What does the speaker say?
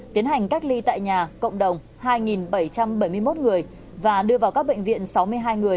tiến hành cách ly tại nhà cộng đồng hai bảy trăm bảy mươi một người và đưa vào các bệnh viện sáu mươi hai người có biểu hiện ho sốt